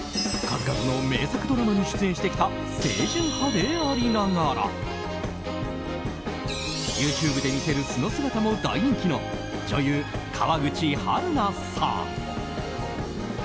数々の名作ドラマに出演してきた清純派でありながらＹｏｕＴｕｂｅで見せる素の姿も大人気の女優・川口春奈さん。